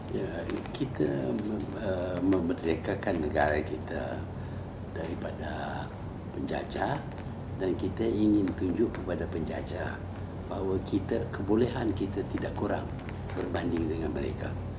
ya kita memerdekakan negara kita daripada penjajah dan kita ingin tunjuk kepada penjajah bahwa kita kebolehan kita tidak kurang berbanding dengan mereka